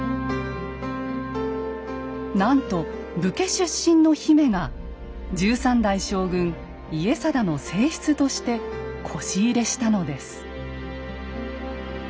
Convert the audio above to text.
なんと武家出身の姫が１３代将軍家定の正室として輿入れしたのです。